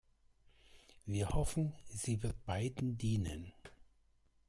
Wir hoffen, sie wird beiden dienen.